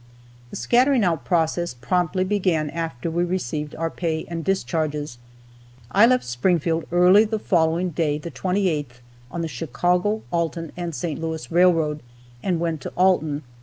The scattering out process promptly began after we received our pay and discharges. I left Springfield early the following day, the 28th, on the Chicago, Alton, and St. Louis railroad, and went to Alton.